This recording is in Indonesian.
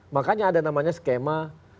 makanya ada namanya skema